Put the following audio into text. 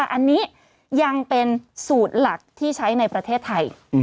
อันนี้ยังเป็นสูตรหลักที่ใช้ในประเทศไทย